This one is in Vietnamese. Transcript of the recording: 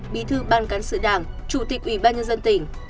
bí thư ban cán sự đảng chủ tịch ủy ban nhân dân tỉnh